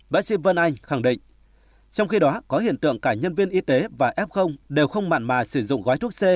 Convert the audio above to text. bác sĩ vân anh khẳng định trong khi đó có hiện tượng cả nhân viên y tế và f đều không mặn mà sử dụng gói thuốc c